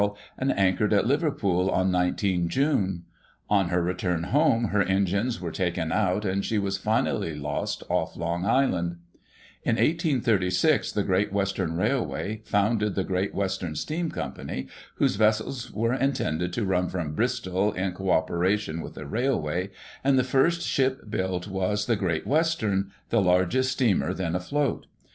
suid anchored at Liverpool on 19 June ; on her return home her engines were taken out, cind she was finally lost off Long Island. In 1836 the Great Western Railway founded the Great Western Steam Co., whose vessels were intended to run from Bristol in co opera tion with the railway, and the first ship built was the Great Western, the leirgest steamer then afloat.